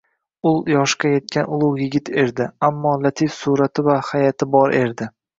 Ul yoshqa yetgan ulugʻ yigit erdi, ammo latif surati va hayʼati bor erdi